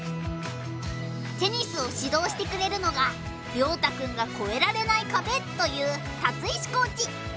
テニスを指導してくれるのが凌大くんが越えられない壁という立石コーチ。